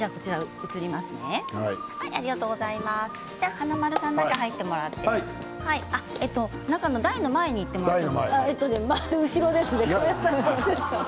華丸さん、中に入ってもらって台の前に行ってもらえますか後ろですね。